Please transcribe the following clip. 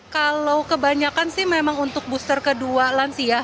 kalau kebanyakan sih memang untuk booster kedua lansia